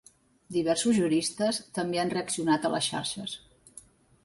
Diversos juristes també han reaccionat a les xarxes.